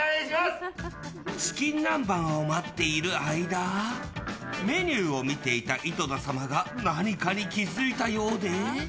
チキン南蛮を待っている間メニューを見ていた井戸田様が何かに気付いたようで。